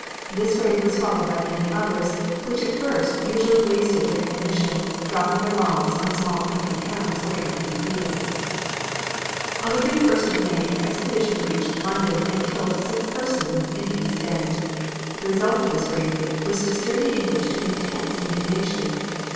This raid was followed by many others, which at first usually wasted their ammunition, dropping their bombs on small country towns or in empty fields. On the 31st of May an expedition reached London and killed six persons in the east end. The result of this raid was to stir the English to intense indignation.